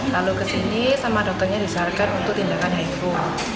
lalu kesini sama dokternya disarankan untuk tindakan hifu